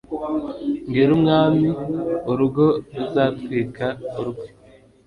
mbwire umwami urugo ruzatwika urwe